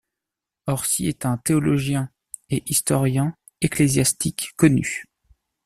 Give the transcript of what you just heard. Orsi est un théologien et historien ecclésiastique connu.